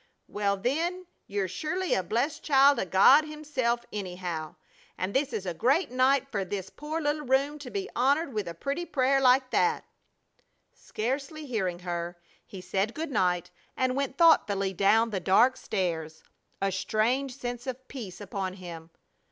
"Well, then, yer surely a blessed child o' God Himself, anyhow, and this is a great night fer this poor little room to be honored with a pretty prayer like that!" Scarcely hearing her, he said good night and went thoughtfully down the dark stairs, a strange sense of peace upon him.